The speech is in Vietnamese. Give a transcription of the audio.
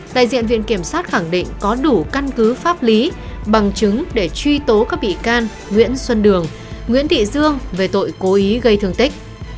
đại diện viện kiểm sát khẳng định có đủ căn cứ pháp lý bằng chứng để truy tố các bị can nguyễn xuân đường nguyễn thị dương về tội cố ý gây thương tích